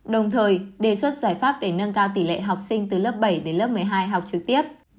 đồng thời đề xuất giải pháp để nâng cao tỷ lệ học sinh từ lớp bảy đến lớp một mươi hai học trực tiếp